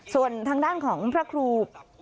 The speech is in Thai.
ส่วนทางด้านของพระครู